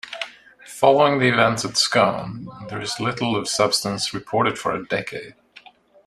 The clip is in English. Following the events at Scone, there is little of substance reported for a decade.